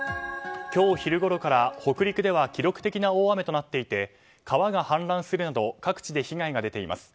今日昼ごろから北陸では記録的な大雨となっていて川が氾濫するなど各地で被害が出ています。